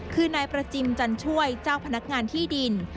คือนายประจิมจันช่วยเจ้าพนักงานที่ดิน